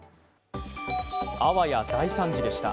あわや、大惨事でした。